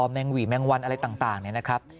แมงหวี่แมงวันอะไรต่างเนี่ยนะครับ